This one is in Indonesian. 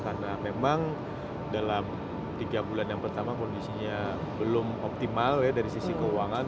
karena memang dalam tiga bulan yang pertama kondisinya belum optimal ya dari sisi keuangan